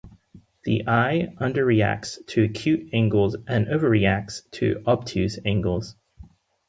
The eye underreacts to acute angles and overreacts to obtuse angles.